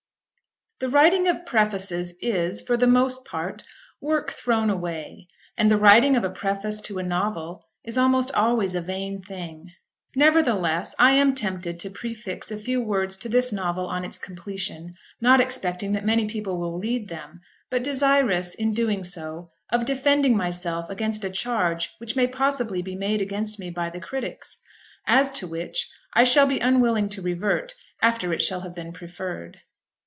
The writing of prefaces is, for the most part, work thrown away; and the writing of a preface to a novel is almost always a vain thing. Nevertheless, I am tempted to prefix a few words to this novel on its completion, not expecting that many people will read them, but desirous, in doing so, of defending myself against a charge which may possibly be made against me by the critics, as to which I shall be unwilling to revert after it shall have been preferred.